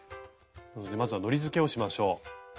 なのでまずはのりづけをしましょう。